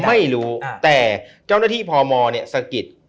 ไม่รู้แต่เจ้าหน้าที่พมเนี่ยสะกิด